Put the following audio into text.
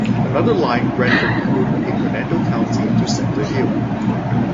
Another line ran from Croom in Hernando County to Center Hill.